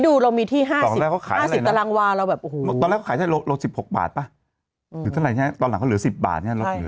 เยอะตอนแรกเขาขายอะไรนะตอนแรกเขาขายได้โลก๑๖บาทป่ะหรือเท่าไหร่ตอนหลังเขาเหลือ๑๐บาท